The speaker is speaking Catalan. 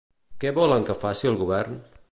Què volen que faci el govern?